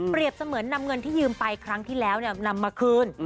เสมือนนำเงินที่ยืมไปครั้งที่แล้วนำมาคืน